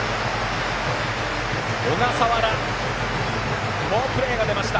小笠原好プレーが出ました。